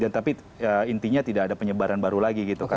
tapi intinya tidak ada penyebaran baru lagi